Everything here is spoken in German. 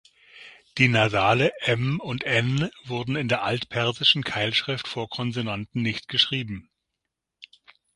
Die Nasale „m“ und „n“ wurden in der altpersischen Keilschrift vor Konsonanten nicht geschrieben.